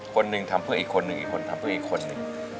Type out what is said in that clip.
คนหนึ่งทำเพื่ออีกคนหนึ่งอีกคนทำเพื่ออีกคนหนึ่ง